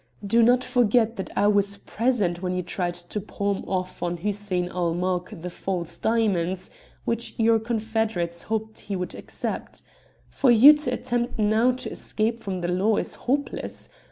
Do not forget that I was present when you tried to palm off on Hussein ul Mulk the false diamonds, which your confederates hoped he would accept. For you to attempt now to escape from the law is hopeless.